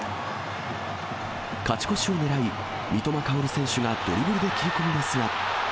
勝ち越しを狙い、三笘薫選手がドリブルで切り込みますが。